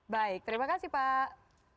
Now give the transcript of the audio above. baik terima kasih pak